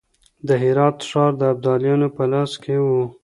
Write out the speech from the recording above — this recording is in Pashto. د هرات ښار د ابدالیانو په لاس کې و.